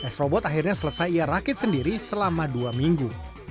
s robot akhirnya selesai ia rakit sendiri selama dua minggu